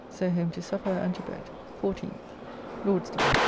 So home to supper and to bed. 14th (Lord's day).